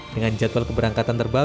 dengan jadwal keberangkatan terbaru